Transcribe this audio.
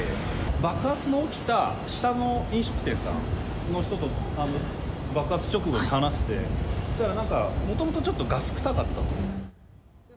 爆発が起きた下の飲食店さんの人と爆発直後に話して、そしたらなんか、もともとちょっとガス臭かったと。